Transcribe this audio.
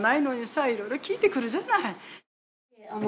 いろいろ聞いてくるじゃない。